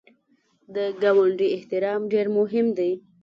د ګاونډي احترام ډېر مهم دی